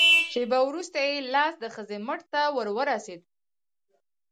شېبه وروسته يې لاس د ښځې مټ ته ور ورسېد.